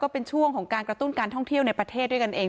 เป็นช่วงของการกระตุ้นการท่องเที่ยวในประเทศด้วยกันเอง